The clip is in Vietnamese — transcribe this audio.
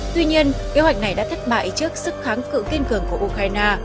tuy nhiên kế hoạch này đã thất bại trước sức kháng cự kiên cường của ukraine